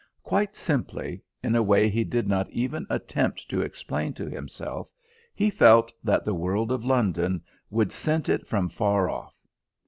Quite simply, in a way he did not even attempt to explain to himself, he felt that the world of London would scent it from afar off.